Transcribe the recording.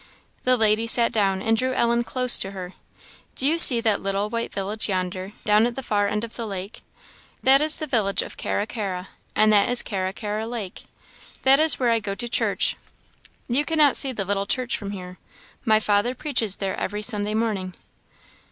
The lady sat down and drew Ellen close to her. "Do you see that little white village yonder, down at the far end of the lake? that is the village of Carra carra; and that is Carra carra lake; that is where I go to church; you cannot see the little church from here. My father preaches there every Sunday morning."